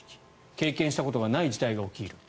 経験したことがない事態が起き得る。